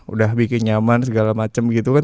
udah bikin nyaman segala macam gitu kan